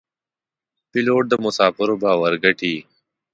پیلوټ د مسافرو باور ګټي.